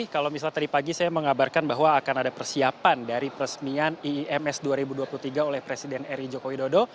kalau misalnya tadi pagi saya mengabarkan bahwa akan ada persiapan dari peresmian iims dua ribu dua puluh tiga oleh presiden eri joko widodo